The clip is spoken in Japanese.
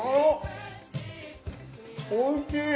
おいしい。